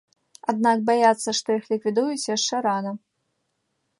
Аднак баяцца, што іх ліквідуюць, яшчэ рана.